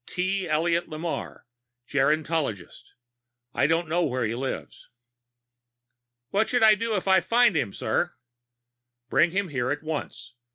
T. Elliot Lamarre, gerontologist. I don't know where he lives." "What should I do when I find him, sir?" "Bring him here at once.